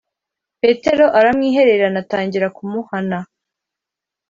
Petero aramwihererana atangira kumuhana